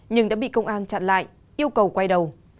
nhưng đã bị công an chặn lại yêu cầu quay đầu